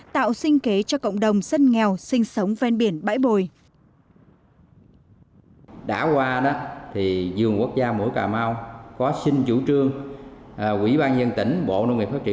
tạo sinh kế cho cộng đồng dân nghèo sinh sống ven biển bãi bồi